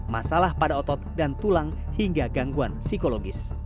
masalah pada otot dan tulang hingga gangguan psikologis